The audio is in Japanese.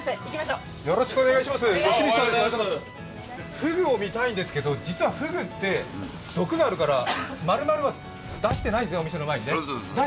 フグを見たいんですけど、実はフグって毒があるからまるまるは出してないんですね、お店の前に。